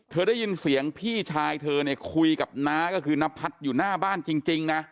ได้ยินเสียงพี่ชายเธอเนี่ยคุยกับน้าก็คือนพัฒน์อยู่หน้าบ้านจริงนะ